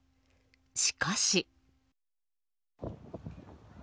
しかし。